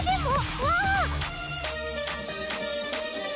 うわ！